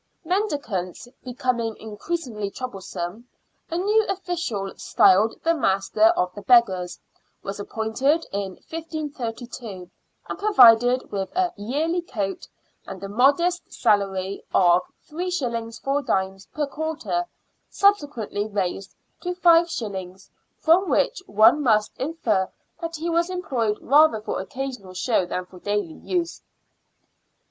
Mendicants becoming increasingly troublesome, a new official, styled the master of the beggars, was appointed in 1532, and provided with a yearly coat and the modest PREVALENCE OF MENDICANTS. 27 salary of 3s. 4d, per quarter, subsequently raised to 5s,, from which one must infer that he was employed rather for occasional show than for daily use.